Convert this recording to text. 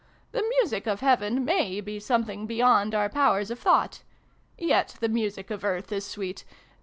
" The music of Heaven may be something beyond our powers of thought. Yet the music of Earth is sweet